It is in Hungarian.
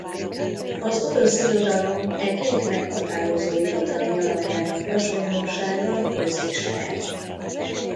Az orosz irodalom e két meghatározó irodalmi alakjának hasonlósága közismert.